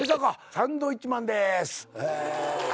サンドウィッチマンです。